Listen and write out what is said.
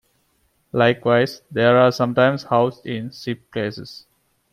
Likewise, they are sometimes housed in slipcases.